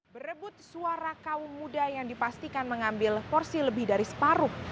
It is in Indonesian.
berebut suara kaum muda yang dipastikan mengambil porsi lebih dari separuh